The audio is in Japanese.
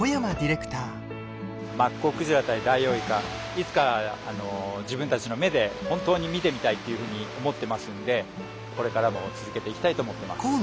いつか自分たちの目で本当に見てみたいっていうふうに思ってますんでこれからも続けていきたいと思ってます。